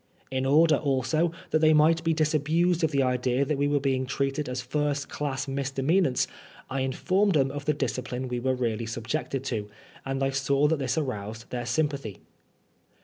In order, also, that they might be disabused of the idea that we were being treated as first class mis demeanants, I informed them of the discipline we were really subjected to ;, and I saw that this aroused their sympathy.